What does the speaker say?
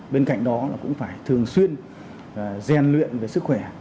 bên cạnh đó cũng phải thường xuyên gian luyện về sức khỏe